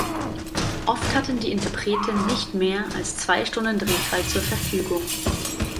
Oft hatten die Interpreten nicht mehr als zwei Stunden Drehzeit zur Verfügung.